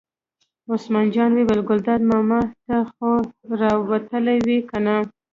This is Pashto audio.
عثمان جان وویل: ګلداد ماما ته خو را وتلې وې کنه.